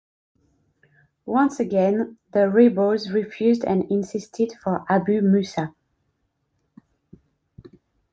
Once again, the rebels refused and insisted for Abu Musa.